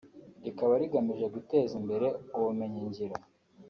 rikaba rigamije guteza imbere ubumenyi ngiro